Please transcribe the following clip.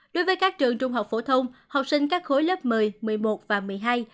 đối với các trường trung học phổ thông học sinh các khối lớp một mươi một mươi một và một mươi hai